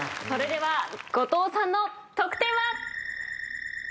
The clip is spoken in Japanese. それでは後藤さんの得点は？